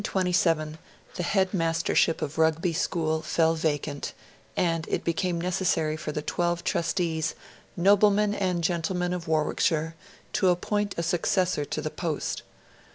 Arnold IN 1827 the headmastership of Rugby School fell vacant, and it became necessary for the twelve trustees, noblemen and gentlemen of Warwickshire, to appoint a successor to the post.